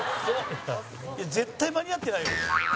絶対間に合ってないよ。